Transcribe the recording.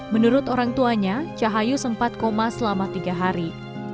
menurut orang tuanya cahayu sempat koma selama tiga hari